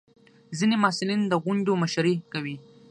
ځینې محصلین د غونډو مشري کوي.